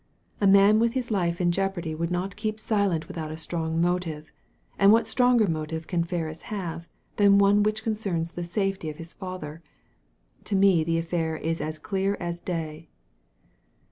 A man with his life in jeopardy would not keep silent without a strong motive, and what stronger motive can Ferris have than one which concerns the safety of his father? To me the affair is as clear as day."